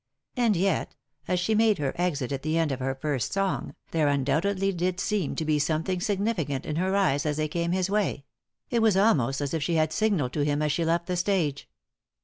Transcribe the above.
And yet, as she made her exit at the end of her first song, there undoubtedly did seem to be something significant in her eyes as they came his way; it was almost as if she had signalled to him as she left the stage.